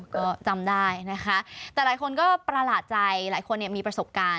ก็จำได้นะคะแต่หลายคนก็ประหลาดใจหลายคนมีประสบการณ์